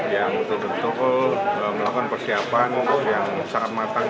yang betul betul melakukan persiapan yang sangat matang